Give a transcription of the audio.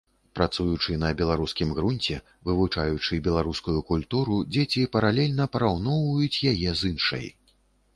Працуючы на беларускім грунце, вывучаючы беларускую культуру, дзеці паралельна параўноўваюць яе з іншай.